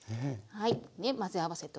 はい。